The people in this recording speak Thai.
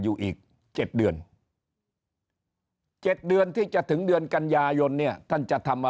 อยู่อีก๗เดือน๗เดือนที่จะถึงเดือนกันยายนเนี่ยท่านจะทำมา